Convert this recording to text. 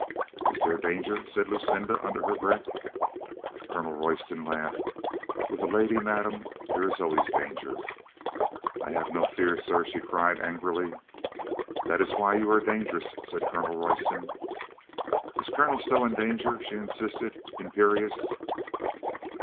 "Is there danger?" said Lucinda under her breath. COLONEL ROYSTON DESERTS A LADY 99 Colonel Royston laughed. "With a lady, madame, there is always danger." "I have no fear, sir," she cried angrily. "That is why you are dangerous," said Colonel Royston. "Is Colonel Stow in danger?" she insisted, im perious.